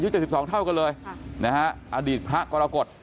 ใช่อายุ๗๒เท่ากันเลยอดีตพระกรกฎ